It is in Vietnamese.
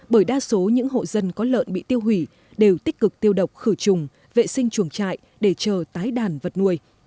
bởi đa số những hộ dân có lợn bị tiêu hủy đều tích cực tiêu độc khử trùng vệ sinh chuồng trại để chờ tái đàn vật nuôi